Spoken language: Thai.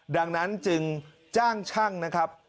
ดังนั้นจึงจ้างช่างนะครับ